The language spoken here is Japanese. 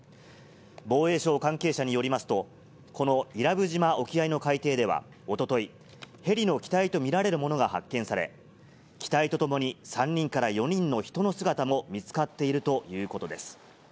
防衛省関係者によりますと、この伊良部島沖合の海底では、おととい、ヘリの機体と見られるものが発見され、機体とともに３人から４人の人の姿も見つかっているということです。